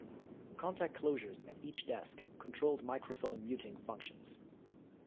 Contact closures at each desk controlled microphone muting functions.